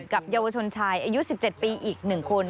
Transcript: กับเยาวชนชายอายุ๑๗ปีอีก๑คน